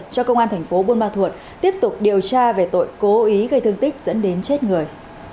cho công an thành phố buôn ma thuột tiếp tục điều tra về tội cố ý gây thương tích dẫn đến chết người